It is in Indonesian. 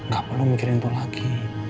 gak perlu mikirin tol lagi